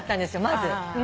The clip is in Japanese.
まず。